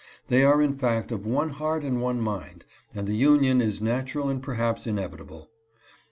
They are in fact of one heart and one mind, and the union is natural and perhaps inevitable.